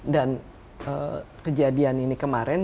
dan kejadian ini kemarin